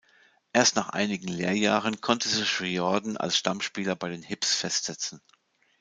Erst nach einigen Lehrjahren konnte sich Riordan als Stammspieler bei den "Hibs" festsetzen.